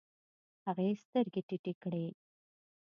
هغې سترګې ټيټې کړې.